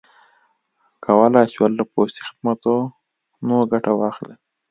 کولای یې شول له پوستي خدمتونو ګټه واخلي.